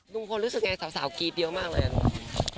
นุ่งพลรู้สึกยังไงสาวกรีดเยอะมากเลย